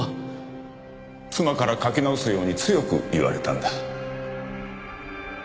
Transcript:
妻から書き直すように強く言われたんだ。